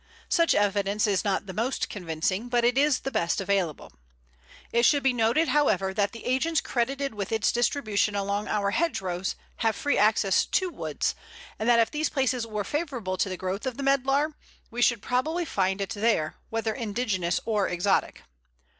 Such evidence is not the most convincing, but it is the best available. It should be noted, however, that the agents credited with its distribution along our hedgerows have free access to woods, and that if these places were favourable to the growth of the Medlar, we should probably find it there, whether indigenous or exotic.